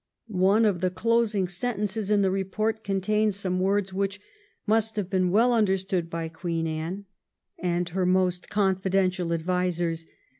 One of the closing sentences in the report contains some words which must have been well understood by Queen Anne and 1710 11 'ILL DESIGNING MEN/ 101 her most confidential advisers.